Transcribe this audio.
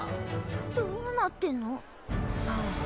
どうなってんの？さあ。